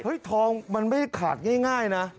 เฮ่ยทองมันไม่ขาดง่ายนะ